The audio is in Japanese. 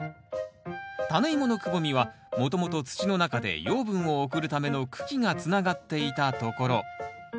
タネイモのくぼみはもともと土の中で養分を送るための茎がつながっていたところ。